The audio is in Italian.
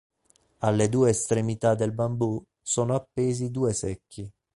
Alle due estremità del bambù, sono appesi due secchi.